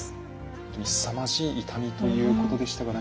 本当にすさまじい痛みということでしたからね。